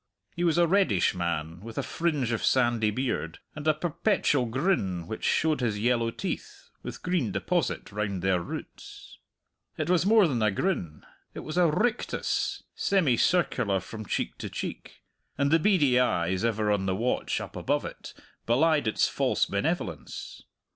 He was a reddish man, with a fringe of sandy beard, and a perpetual grin which showed his yellow teeth, with green deposit round their roots. It was more than a grin it was a rictus, semicircular from cheek to cheek; and the beady eyes, ever on the watch up above it, belied its false benevolence.